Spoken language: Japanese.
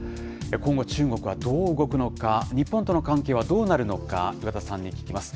今後、中国はどう動くのか、日本との関係はどうなるのか、岩田さんに聞きます。